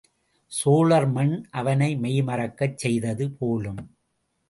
சோழர் மண் அவனை மெய்மறக்கச் செய்தது போலும்!